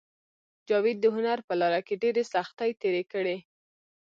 جاوید د هنر په لاره کې ډېرې سختۍ تېرې کړې